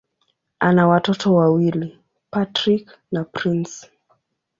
Ana watoto wawili: Patrick na Prince.